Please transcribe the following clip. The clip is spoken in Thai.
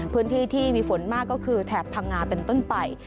พื้นที่ที่มีฝนมากก็คือแถบพังงาเป็นต้นไป